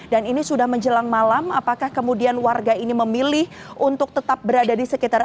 dan ini sudah menjelang malam apakah kemudian warga ini memilih untuk tetap berada di sekitar